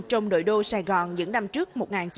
trong nội đô sài gòn những năm trước một nghìn chín trăm bảy mươi